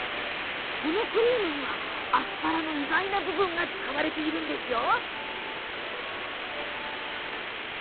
このクリームにはアスパラの意外な部分が使われているんですよ。